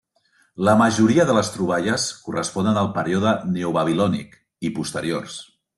La majoria de les troballes corresponen al període Neobabilònic i posteriors.